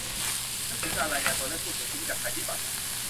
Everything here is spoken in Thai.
นึกถึงการรายงานตัวเลขผู้เสียชีวิตจากภัยพิบัติ